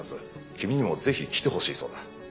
君にもぜひ来てほしいそうだ。